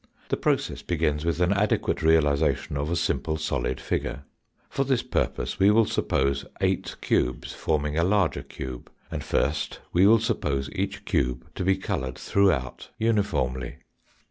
The process begins with an adequate realisa tion of a simple solid figure. For this purpose we will suppose eight cubes forming a larger cube, and first we will suppose each cube to be coloured throughout uniformly.